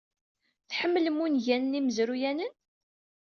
Tḥemmlem ungalen imezruyanen?